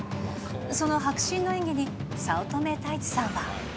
その迫真の演技に、早乙女太一さんは。